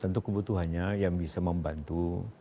tentu kebutuhannya yang bisa membantu